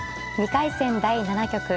２回戦第７局。